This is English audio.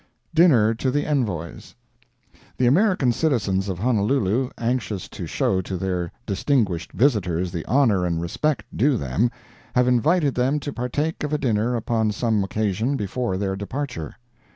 DINNER TO THE ENVOYS The American citizens of Honolulu, anxious to show to their distinguished visitors the honor and respect due them, have invited them to partake of a dinner upon some occasion before their departure.